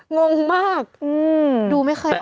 งงมากดูไม่ค่อย